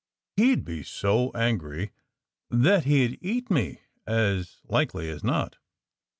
He'd be so angry that he'd eat me, as likely as not.